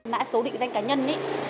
mã số định danh cá nhân